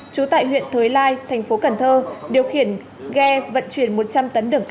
chú tại huyện thới lai thành phố cần thơ điều khiển ghe vận chuyển